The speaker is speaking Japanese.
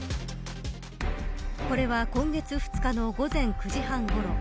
これは今月２日の午前９時半ごろ。